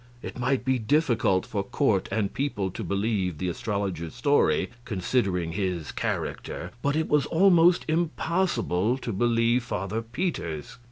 It might be difficult for court and people to believe the astrologer's story, considering his character, but it was almost impossible to believe Father Peter's.